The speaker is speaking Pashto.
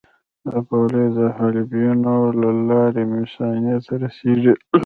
دا بولې د حالبینو له لارې مثانې ته رسېږي.